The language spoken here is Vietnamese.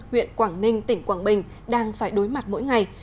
huyện quảng ninh tỉnh quảng bình đang phải đối mặt mỗi ngày